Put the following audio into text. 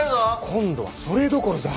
今度はそれどころじゃ！